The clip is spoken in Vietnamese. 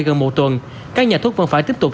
gần một tuần các nhà thuốc vẫn phải tiếp tục